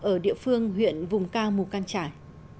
ở địa phương huyện vùng cao mù căng trải